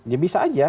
ya bisa aja